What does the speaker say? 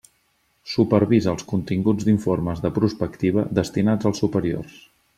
Supervisa els continguts d'informes de prospectiva destinats als superiors.